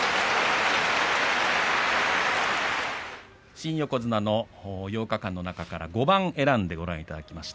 新横綱の８日間の中から５番選んでご覧いただきました。